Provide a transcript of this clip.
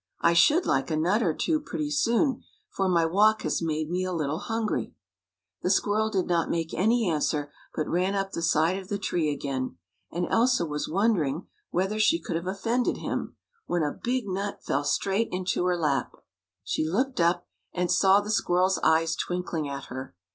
I should like a nut or two pretty soon, for my walk has made me a little hungry." The squirrel did not make any answer, but ran up the side of the tree again, and Elsa was wondering 98 THE FOREST FULL OF FRIENDS whether she could have offended him, when a big nut fell straight into her lap. She looked up and saw the squirrel's eyes twinkling at her.